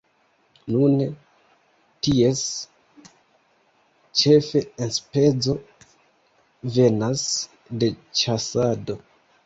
Nune ties ĉefe enspezo venas de ĉasado.